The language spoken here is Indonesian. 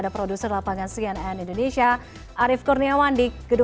pada hari ini